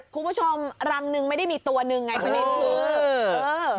คุณผู้ชมรังหนึ่งไม่ได้มีตัวหนึ่งไงคุณผู้ชม